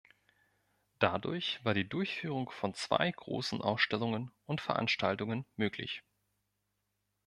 Dadurch war die Durchführung von zwei großen Ausstellungen und Veranstaltungen möglich.